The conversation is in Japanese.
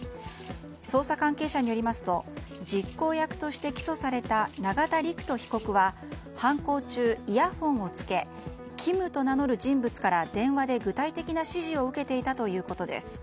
捜査関係者によりますと実行役として起訴された永田陸人被告は犯行中、イヤホンを着けキムと名乗る人物から電話で具体的な指示を受けていたということです。